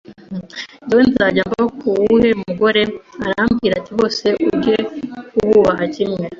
njyewe nzajya mba ku wuhe mugore? Arambwira ati bose ujye ububaha kimwe